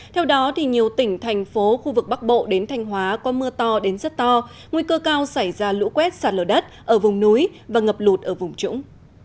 theo đó nhiều tỉnh thành phố khu vực bắc bộ đến thanh hóa có mưa to đến rất to nguy cơ cao xảy ra lũ quét sạt lở đất ở vùng núi và ngập lụt ở vùng trũng